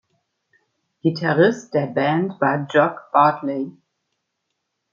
Gitarrist der Band war Jock Bartley.